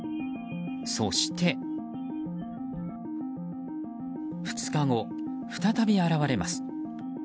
そして。２日後、再び現れます。